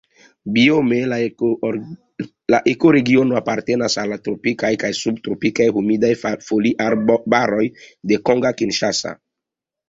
Biome la ekoregiono apartenas al tropikaj kaj subtropikaj humidaj foliarbaroj de Kongo Kinŝasa.